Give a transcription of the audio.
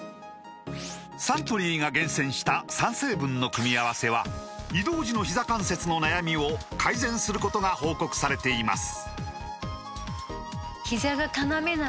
サントリーが厳選した３成分の組み合わせは移動時のひざ関節の悩みを改善することが報告されています